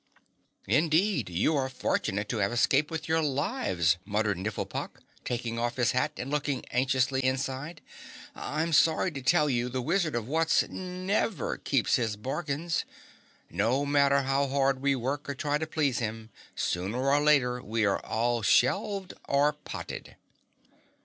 "Indeed, you are fortunate to have escaped with your lives," muttered Wutz, taking off his hat and looking anxiously inside. "And I'm sorry to tell you the Wizard of Wutz NEVER keeps his bargains. No matter how hard we work or try to please him, sooner or later, we are all shelved or potted!"